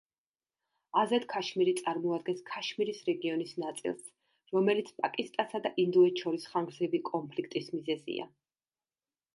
აზად-ქაშმირი წარმოადგენს ქაშმირის რეგიონის ნაწილს, რომელიც პაკისტანსა და ინდოეთს შორის ხანგრძლივი კონფლიქტის მიზეზია.